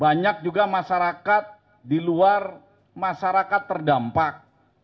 banyak juga masyarakat di luar masyarakat terdampak